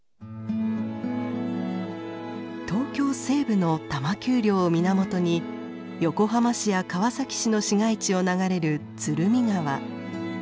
東京西部の多摩丘陵を源に横浜市や川崎市の市街地を流れる鶴見川。